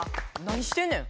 何してんねん。